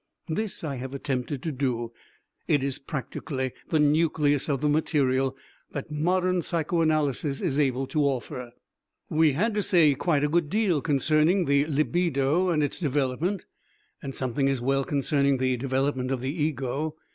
This I have attempted to do; it is practically the nucleus of the material that modern psychoanalysis is able to offer. We had to say quite a good deal concerning the libido and its development, and something as well concerning the development of the ego.